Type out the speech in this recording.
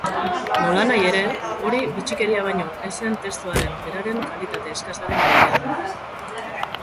Nolanahi ere, hori bitxikeria baino ez zen testuaren beraren kalitate eskasaren aldean.